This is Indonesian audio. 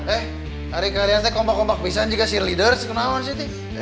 eh hari kalian itu kompak kompak pisang juga si leader kenapa sih teh